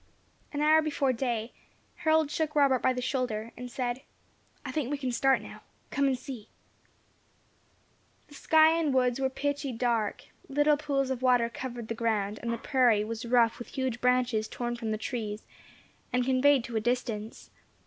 An hour before day, Harold shook Robert by the shoulder, and said, "I think we can start now. Come and see." The sky and woods were pitchy dark, little pools of water covered the ground, and the prairie was rough with huge branches torn from the trees, and conveyed to a distance.